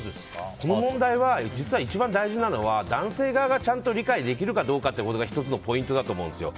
この問題は実は一番大事なのが男性側がちゃんと理解できるかどうかというところが１つのポイントだと思うんですよ。